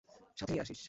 সাথে নিয়ে আসিস।